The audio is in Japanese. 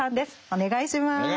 お願いします。